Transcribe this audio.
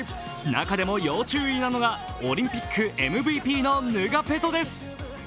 中でも要注意なのがオリンピックＭＶＰのヌガペトです。